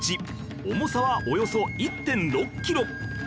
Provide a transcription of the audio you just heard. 重さはおよそ １．６ キロ